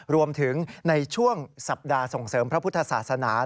ในช่วงสัปดาห์ส่งเสริมพระพุทธศาสนา